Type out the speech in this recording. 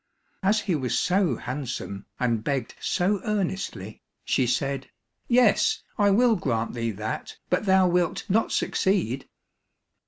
As he was so handsome, and begged so earnestly, she said, "Yes, I will grant thee that, but thou wilt not succeed."